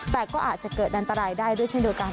แต่ก็อาจจะเกิดอันตรายได้ด้วยเช่นเดียวกัน